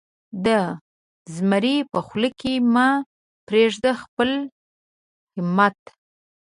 د زمري په خوله کې مه پرېږده خپل همت.